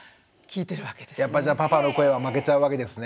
やっぱじゃあパパの声は負けちゃうわけですね。